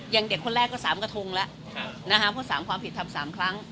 อย่างเด็กคนแรกก็ที่๓กระทงแล้วก็๓ความผิดทั้ง๓ครั้ง